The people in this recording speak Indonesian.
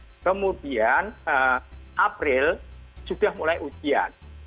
nah kemudian desember baru buka kemudian smk kelas dua belas itu masuk nah selanjutnya mereka mulai praktek januari sudah mulai ujian